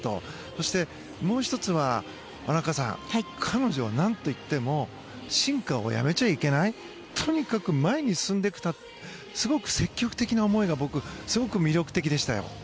そしてもう１つは荒川さん彼女は、なんと言っても進化をやめちゃいけないとにかく前に進んでいくすごく積極的な思いが僕、すごく魅力的でしたよ。